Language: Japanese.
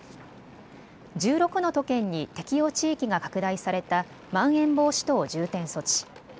１６の都県に適用地域が拡大されたまん延防止等重点措置。